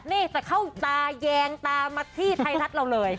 จะเข้าตาแยงตามัดที่ไทรทัศน์เราเลย